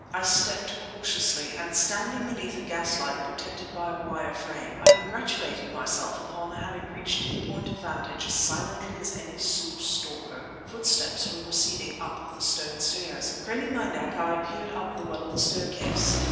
I stepped cautiously, and standing beneath a gaslight protected by a wire frame, I congratulated myself upon having reached that point of vantage as silently as any Sioux stalker. Footsteps were receding up the stone stairs. Craning my neck, I peered up the well of the staircase.